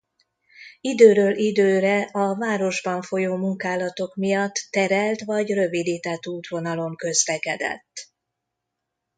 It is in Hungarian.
Időről időre a városban folyó munkálatok miatt terelt vagy rövidített útvonalon közlekedett.